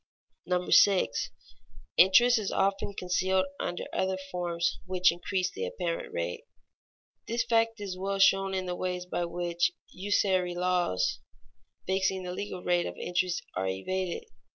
[Sidenote: Evasion of legal rate of interest] 6. Interest is often concealed under other forms which increase the apparent rate. This fact is well shown in the ways by which usury laws fixing the legal rate of interest are evaded.